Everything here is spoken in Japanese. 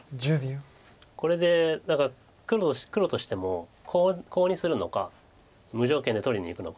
これでだから黒としてもコウにするのか無条件で取りにいくのか。